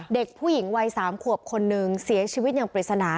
เด็กผู้หญิงวัย๓ขวบคนนึงเสียชีวิตอย่างปริศนา